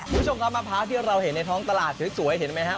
คุณผู้ชมครับมะพร้าวที่เราเห็นในท้องตลาดสวยเห็นไหมฮะ